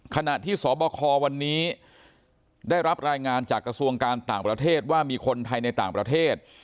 ขณะที่สบควันนี้ได้รับรายงานจากกระทรวงการต่างประเทศว่ามีคนไทยในต่างประเทศ